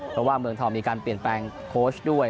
เพราะว่าเมืองทองมีการเปลี่ยนแปลงโค้ชด้วย